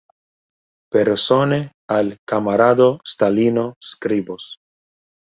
Persone al kamarado Stalino skribos.